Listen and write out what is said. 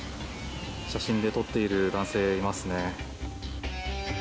写真で撮っている男性がいますね。